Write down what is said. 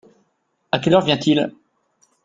A quelle heure vient-il ?